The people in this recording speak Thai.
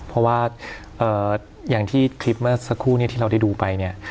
เพราะว่าอย่างที่คลิปเมื่อสักครู่เนี่ยที่เราได้ดูไปเนี่ย